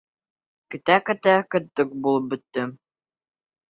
Көтә-көтә көтөк булып бөттөм.